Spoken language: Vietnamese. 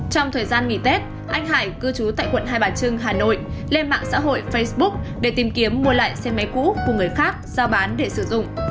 trong thời gian nghỉ tết anh hải cư trú tại quận hai bà trưng hà nội lên mạng xã hội facebook để tìm kiếm mua lại xe máy cũ của người khác giao bán để sử dụng